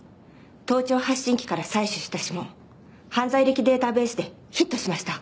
盗聴発信機から採取した指紋犯罪歴データベースでヒットしました。